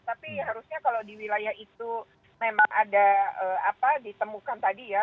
tapi harusnya kalau di wilayah itu memang ada apa ditemukan tadi ya